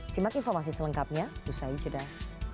simak informasi selengkapnya usai jeda